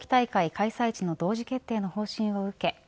開催地の同時決定の方針を受け